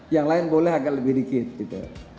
yang lain boleh agak lebih dikit gitu